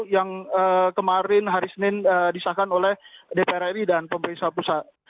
yang kemarin hari senin disahkan oleh dprd dan pemirsa pusat